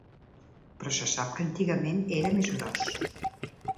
Però se sap que antigament era més gros.